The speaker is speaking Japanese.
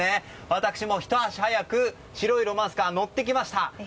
私もひと足早く白いロマンスカー乗ってきました。